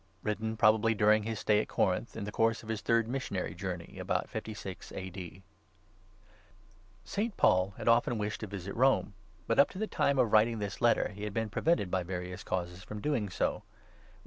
WRITTEN PROBABLY DURING HIS STAY AT CORINTH, IN THE COURSE OF HIS THIRD MISSIONARY JOURNEY, ABOUT 56 A.D. ST. PAUL had often wished to visit Rome, but up to the time of writing this Letter he had been prevented by various causes from doing so (Rom.